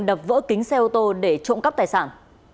đập vỡ kính xe ô tô để trộm cắp tài sản